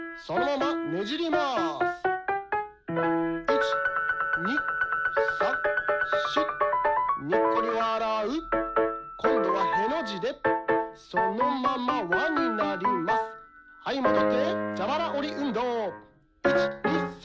そのまま輪になります。